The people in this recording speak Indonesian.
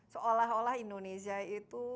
seolah olah indonesia itu